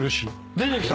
出てきた！？